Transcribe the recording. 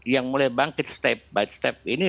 yang mulai bangkit step by step ini